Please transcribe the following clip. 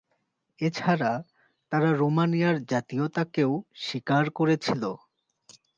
এছাড়া, তারা রোমানিয়ার জাতীয়তাকেও স্বীকার করেছিল।